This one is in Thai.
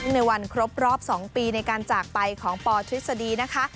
ในวันครบรอบ๒ปีในการจากไปของปทฤษฎีนะคะ